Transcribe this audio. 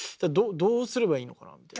どうすればいいのかなって。